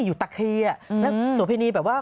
อยู่ตะเคียโสเพณีแบบว่า